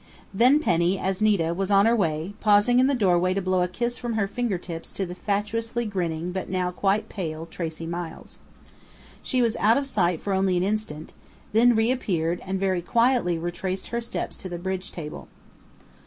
Then Penny, as Nita, was on her way, pausing in the doorway to blow a kiss from her fingertips to the fatuously grinning but now quite pale Tracey Miles. She was out of sight for only an instant, then reappeared and very quietly retraced her steps to the bridge table.